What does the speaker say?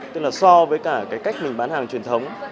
tức là so với cả cái cách mình bán hàng truyền thống